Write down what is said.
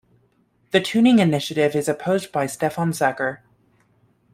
The tuning initiative is opposed by Stefan Zucker.